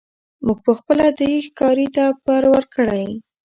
موږ پخپله دی ښکاري ته پر ورکړی